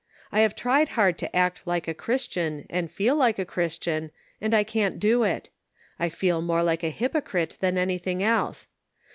I have tried hard to act like a Christian and feel like a Christian, and I can't do it. I feel more like a hypocrite than anything else.